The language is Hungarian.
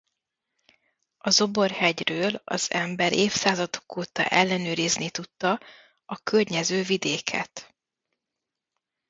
A Zobor-hegyről az ember évszázadok óta ellenőrizni tudta a környező vidéket.